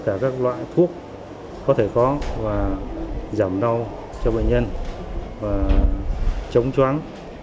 các loại thuốc có thể có và giảm đau cho bệnh nhân và chống chóng